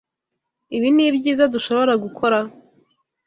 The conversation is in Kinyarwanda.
Ibi nibyiza dushobora gukora?